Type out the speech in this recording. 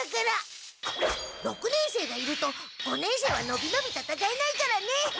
六年生がいると五年生はのびのびたたかえないからね。